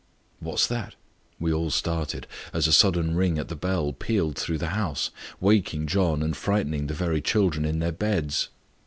"What's that?" We all started, as a sudden ring at the bell pealed through the house, waking John, and frightening the very children in their beds.